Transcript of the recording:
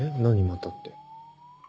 またって。